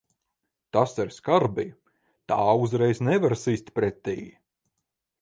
Tas ir skarbi. Tā uzreiz nevar sist pretī.